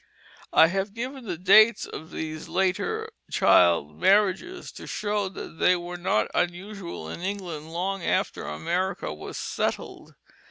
I have given the dates of these later child marriages to show that they were not unusual in England long after America was settled.